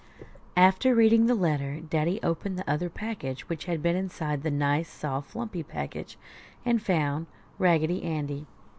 After reading the letter, Daddy opened the other package which had been inside the nice, soft, lumpy package and found Raggedy Andy.